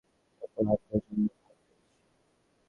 তার পরেও আমি প্রচণ্ড ভয় পেয়েছি।